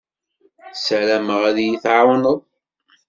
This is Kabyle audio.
Ssarameɣ ad iyi-tɛawneḍ.